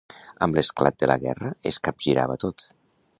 Amb l'esclat de la guerra es capgirava tot.